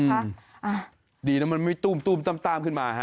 อืมอ่าดีนะมันไม่ตู้มตู้มต้ามต้ามขึ้นมาฮะ